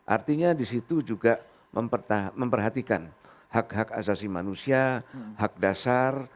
artinya di situ juga memperhatikan hak hak asasi manusia hak dasar